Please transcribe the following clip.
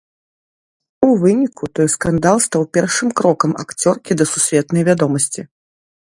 У выніку той скандал стаў першым крокам акцёркі да сусветнай вядомасці.